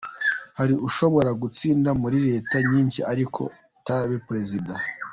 Hari ushobora gutsinda muri Leta nyinshi ariko ntabe Perezida